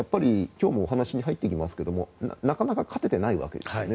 今日もお話に入っていきますけどなかなか勝てていないわけですね